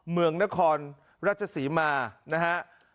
เมืองนครราชศรีมานะฮะ